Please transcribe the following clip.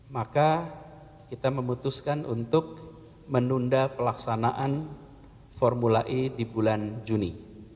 maka kita memutuskan untuk menunda pelaksanaan formula e di bulan juni